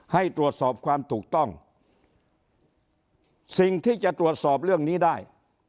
ให้ตรวจสอบความถูกต้องสิ่งที่จะตรวจสอบเรื่องนี้ได้